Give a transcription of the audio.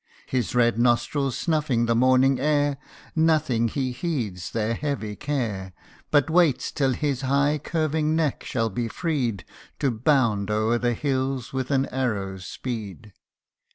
His red nostrils snuffing the morning air, Nothing he heeds their heavy care, But waits till his high curving neck shall be freed, To bound o'er the hills with an arrow's speed.